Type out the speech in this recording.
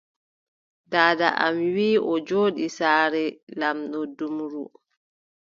Daada am wii o jooɗi saare lamɗo Dumru,